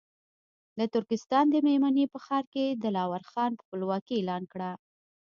د ترکستان د مېمنې په ښار کې دلاور خان خپلواکي اعلان کړه.